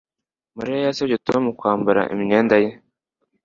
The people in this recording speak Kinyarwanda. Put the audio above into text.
Mariya yasabye Tom kwambara imyenda ye